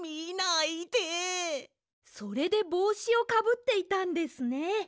それでぼうしをかぶっていたんですね。